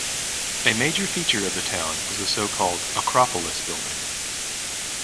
A major feature of the town was the so-called 'acropolis' building.